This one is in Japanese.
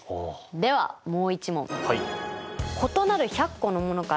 ではもう一問。